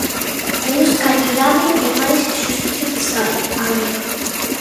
"Menos caridade e máis xustiza fiscal", agrega.